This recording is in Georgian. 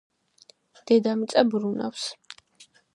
დედამიწა ბრუნავს!